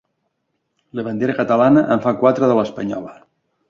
La bandera catalana en fa quatre de l'espanyola!